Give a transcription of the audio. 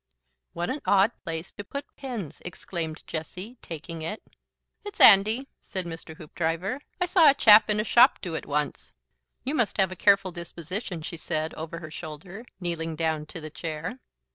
"What an odd place to put pins!" exclaimed Jessie, taking it. "It's 'andy," said Mr. Hoopdriver. "I saw a chap in a shop do it once." "You must have a careful disposition," she said, over her shoulder, kneeling down to the chair.